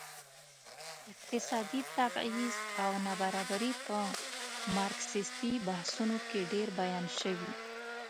اقتصادي تبعيض او نابرابري په مارکسيستي بحثونو کې ډېر بیان شوي.